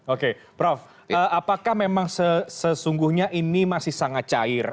oke prof apakah memang sesungguhnya ini masih sangat cair